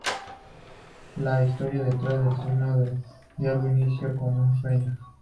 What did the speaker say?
La historia detrás del "Trino del diablo" inicia con un sueño.